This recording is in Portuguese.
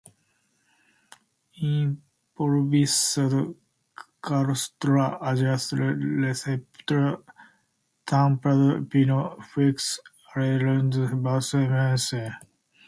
improvisado, culatra, ajustado, receptor, tampado, pino, fixo, alinhado, bruscamente